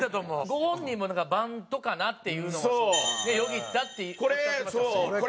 ご本人もバントかな？っていうのよぎったっておっしゃってましたもんね。